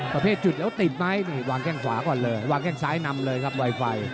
ประเภทจุดแล้วติดไหมนี่วางแข้งขวาก่อนเลยวางแข้งซ้ายนำเลยครับไวไฟ